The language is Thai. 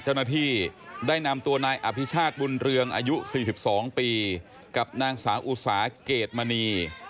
เจ้าหน้าที่ได้นำตัวนายอภิชาติบุญเรืองอายุ๔๒ปีกับนางสาวอุสาเกรดมณี